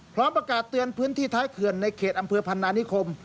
พร้อมประกาศเตือนพื้นที่ท้ายเขื่อนในเขตอำเภอพันนานิคม